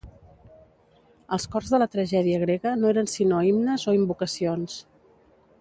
Els cors de la tragèdia grega no eren sinó himnes o invocacions.